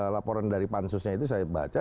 laporan dari pansusnya itu saya baca